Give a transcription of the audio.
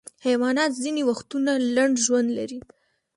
حیوانات ځینې وختونه لنډ ژوند لري.